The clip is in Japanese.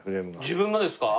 自分がですか？